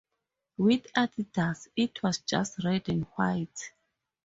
With Adidas, it was just red and white.